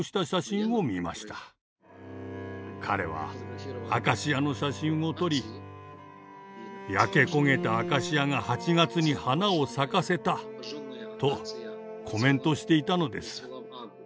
彼はアカシアの写真を撮り「焼け焦げたアカシアが８月に花を咲かせた」とコメントしていたのです。